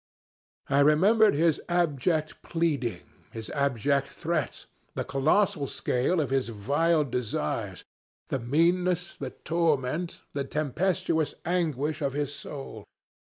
I remembered his abject pleading, his abject threats, the colossal scale of his vile desires, the meanness, the torment, the tempestuous anguish of his soul.